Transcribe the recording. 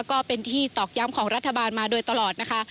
ก็เป็นที่ตอกย้ำของรัฐบาลมาโดยตลอดนะคะ